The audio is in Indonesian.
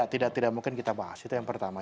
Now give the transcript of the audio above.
tidak tidak mungkin kita bahas itu yang pertama